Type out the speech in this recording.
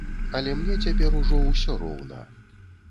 Але мне цяпер ужо ўсё роўна.